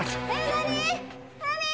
何？